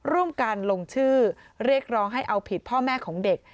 ร่วมกันลงชื่อเรียกร้องให้เอาผิดพ่อแม่ของเด็ก